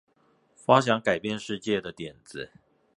發想改變世界的點子